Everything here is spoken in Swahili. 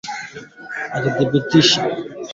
Osha viazi ambavyo havijamenywa